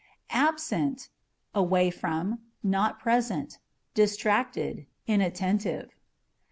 Absent â€" away from, not present ; distracted, inattentive.